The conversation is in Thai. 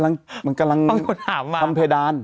มันกำลังทำเพดาน